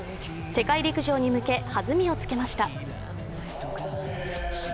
世界陸上に向け、弾みをつけました。